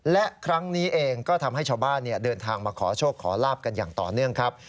และครั้งนี้เองก็ทำให้ชาวบ้านเดินทางมาขอโชคขอลาบกันอย่างต่อเนื่องครับ